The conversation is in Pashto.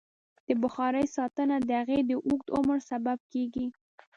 د بخارۍ ساتنه د هغې د اوږد عمر سبب کېږي.